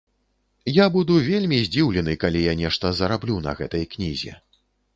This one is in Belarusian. Я буду вельмі здзіўлены, калі я нешта зараблю на гэтай кнізе.